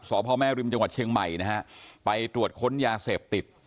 พ่อแม่ริมจังหวัดเชียงใหม่นะฮะไปตรวจค้นยาเสพติด